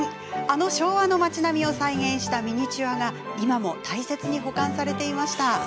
あの昭和の町並みを再現したミニチュアが今も大切に保管されていました。